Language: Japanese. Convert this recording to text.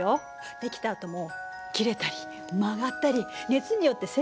できたあとも切れたり曲がったり熱によって性質がこう変化したり。